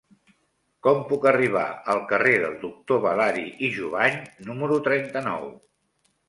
Com puc arribar al carrer del Doctor Balari i Jovany número trenta-nou?